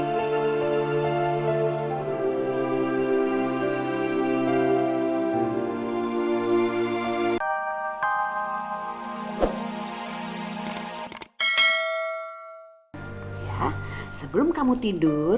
ya sebelum kamu tidur